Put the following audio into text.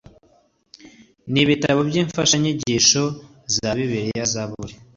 n ibitabo by imfashanyigisho za bibiliya zaburi